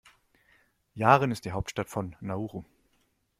Yaren ist die Hauptstadt von Nauru.